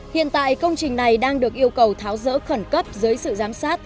hiện tại công trình này đang được yêu cầu tháo rỡ khẩn cấp dưới sự giám sát